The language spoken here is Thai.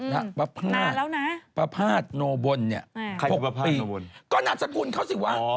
นานแล้วนะประพาทโนบลเนี่ย๖ปีก็หนัดสกุลเขาสิวะ